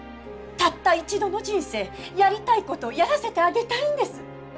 たった一度の人生やりたいことやらせてあげたいんです！